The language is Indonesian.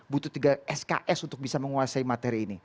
butuh tiga sks untuk bisa menguasai materi ini